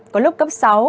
có lúc cấp sáu